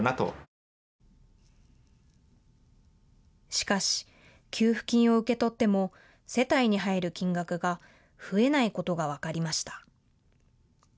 しかし、給付金を受け取っても世帯に入る金額が増えないことが分かりました。